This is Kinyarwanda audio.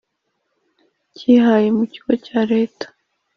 cyihaye mu Ikigo cya Leta